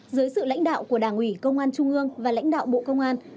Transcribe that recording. dưới sự lãnh đạo của đảng ủy công an trung ương và lãnh đạo bộ công an